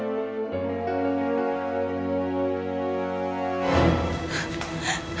aku mau ke rumah